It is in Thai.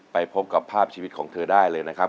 ไปพบกับภาพชีวิตของเธอได้เลยนะครับ